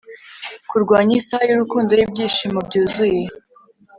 kurwanya isaha y'urukundo, y'ibyishimo byuzuye